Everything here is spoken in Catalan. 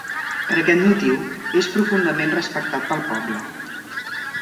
Per aquest motiu, és profundament respectat pel poble.